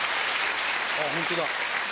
あホントだ。